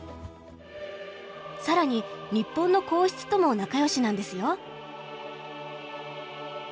さらに日本の皇室とも仲良しなんですよ。